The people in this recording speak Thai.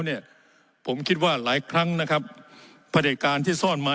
เนี่ยผมคิดว่าหลายครั้งนะครับพระเด็จการที่ซ่อนมา